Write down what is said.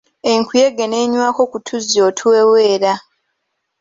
Enkuyege n'enywako kutuzzi otuweweera.